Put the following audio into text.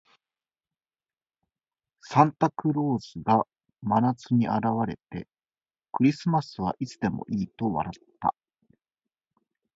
サンタクロースが真夏に現れて、「クリスマスはいつでもいい」と笑った。